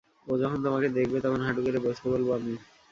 ও যখন তোমাকে দেখবে, তখন হাঁটু গেড়ে বসতে বলব আমি।